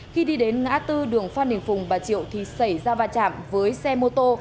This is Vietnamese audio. khi đi đến ngã tư đường phan đình phùng bà triệu thì xảy ra va chạm với xe mô tô